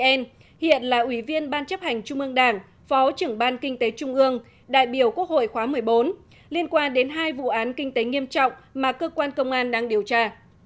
một hiện là ủy viên ban chấp hành trung ương đảng phó trưởng ban kinh tế trung ương đại biểu quốc hội khóa một mươi bốn liên quan đến hai vụ án kinh tế nghiêm trọng mà cơ quan công an đang điều tra